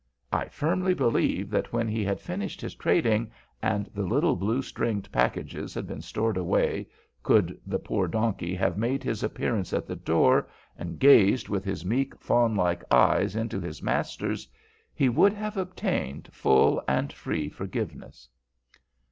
I firmly believe that when he had finished his trading, and the little blue stringed packages had been stored away, could the poor donkey have made his appearance at the door, and gazed with his meek, fawnlike eyes into his master's, he would have obtained full and free forgiveness.